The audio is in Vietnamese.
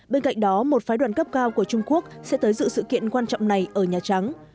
bên cạnh đó một phái đoàn cấp cao của trung quốc sẽ tới dự sự kiện quan trọng này ở nhà trắng